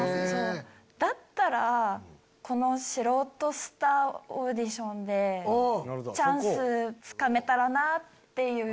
だったらこの素人スターオーディションでチャンスつかめたらなっていう。